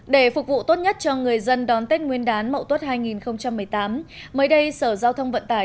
để phục vụ tốt nhất cho người dân đón tết nguyên đán mậu tuất hai nghìn một mươi tám mới đây sở giao thông vận tải